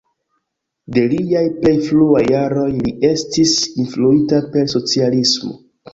De liaj plej fruaj jaroj, li estis influita per socialismo.